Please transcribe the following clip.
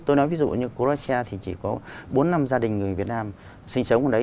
tôi nói ví dụ như corachia thì chỉ có bốn năm gia đình người việt nam sinh sống ở đấy